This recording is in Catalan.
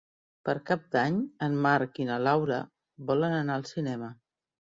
Per Cap d'Any en Marc i na Laura volen anar al cinema.